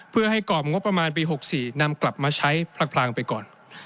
เพื่อให้กรอบงบประมาณปี๖๔นำกลับมาใช้พลางไปก่อน